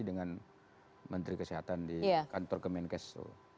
dengan menteri kesehatan di kantor kemenkes